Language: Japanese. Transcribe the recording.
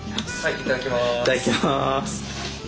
いただきます。